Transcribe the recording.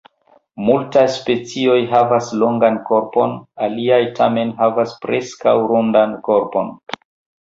Multaj specioj havas longan korpon, aliaj tamen havas preskaŭ rondan korpon.